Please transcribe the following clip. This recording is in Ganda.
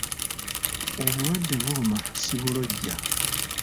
Obulwadde buluma sibulojja.